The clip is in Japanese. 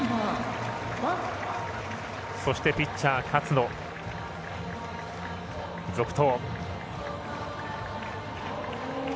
そしてピッチャー、勝野続投。